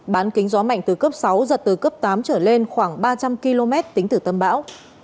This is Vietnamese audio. bán kính gió mạnh từ cấp sáu giật từ cấp tám trở lên khoảng ba trăm linh km tính từ tâm bão